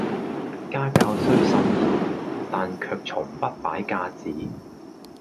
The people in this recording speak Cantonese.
家教雖甚嚴，但卻從不擺架子